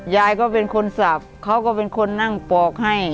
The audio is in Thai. ยายก็เป็นคนสับเขาก็เป็นคนนั่งปอกให้